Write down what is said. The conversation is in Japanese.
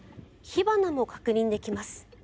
火花も確認できます。